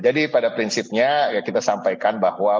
jadi pada prinsipnya kita sampaikan bahwa